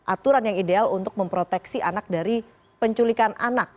aturan yang ideal untuk memproteksi anak dari penculikan anak